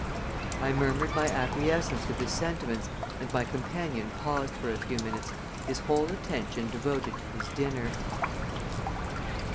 I murmured my acquiescence with his sentiments and my companion paused for a few minutes, his whole attention devoted to his dinner.